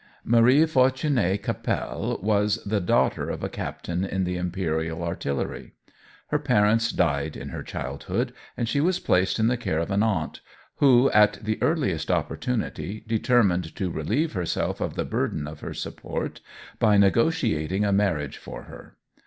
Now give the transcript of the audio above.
Marie Fortunée Cappelle was the daughter of a captain in the Imperial Artillery. Her parents died in her childhood, and she was placed in the care of an aunt, who, at the earliest opportunity, determined to relieve herself of the burden of her support by negotiating a marriage for her.